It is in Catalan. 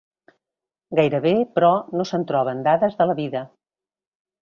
Gairebé, però, no se'n troben dades de la vida.